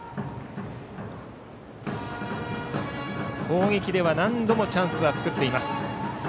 攻撃では何度もチャンスは作っています。